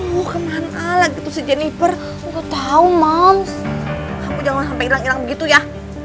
oh kenalan ala gitu sih jennifer udah tahu moms aku jangan sampai hilang begitu ya